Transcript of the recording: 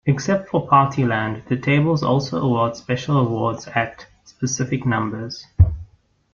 Except for Party Land, the tables also award special awards at specific numbers.